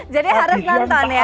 jadi harus nonton ya